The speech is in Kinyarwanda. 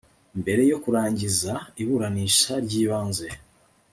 mbere yo kurangiza iburanisha ry ibanze